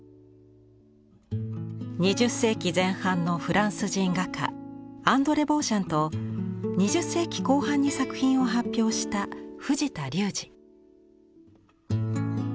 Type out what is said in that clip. ２０世紀前半のフランス人画家アンドレ・ボーシャンと２０世紀後半に作品を発表した藤田龍児。